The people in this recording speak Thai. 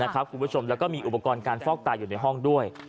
แล้วก็มีอุปกรณ์การฟอกตายอยู่ในห้องด้วย